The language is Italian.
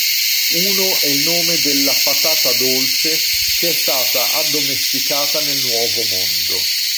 Uno è il nome della "patata dolce" che è stata addomesticata nel Nuovo Mondo.